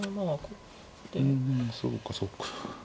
うんそうかそうか。